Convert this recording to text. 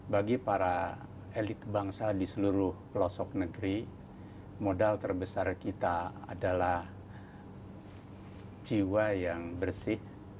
bagi para elit bangsa di seluruh pelosok negeri modal terbesar kita adalah jiwa yang bersih